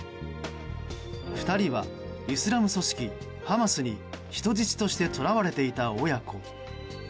２人はイスラム組織ハマスに人質としてとらわれていた親子。